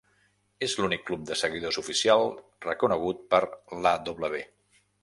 És l'únic club de seguidors oficial reconegut per l'Aw.